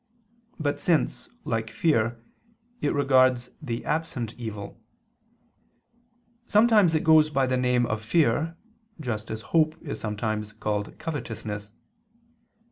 But since, like fear, it regards the absent evil; sometimes it goes by the name of fear, just as hope is sometimes called covetousness.